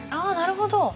あなるほど。